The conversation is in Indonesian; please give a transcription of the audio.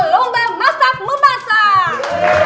lomba masak memasak